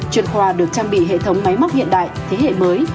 chuyên khoa được trang bị hệ thống máy móc hiện đại thế hệ mới